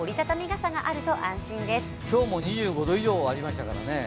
今日も２５度以上ありましたからね。